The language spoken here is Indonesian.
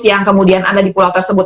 yang kemudian ada di pulau tersebut